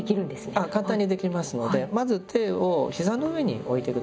あっ簡単にできますのでまず手を膝の上に置いて下さい。